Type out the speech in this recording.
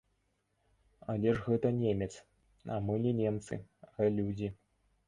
Але ж гэта немец, а мы не немцы, а людзі.